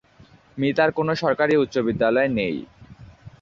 মিতার কোনো সরকারি উচ্চ বিদ্যালয় নেই।